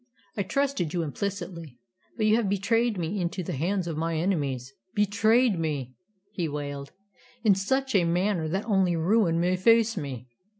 I trusted you implicitly, but you have betrayed me into the hands of my enemies betrayed me," he wailed, "in such a manner that only ruin may face me.